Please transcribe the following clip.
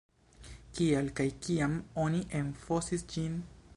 Kial kaj kiam oni enfosis ĝin?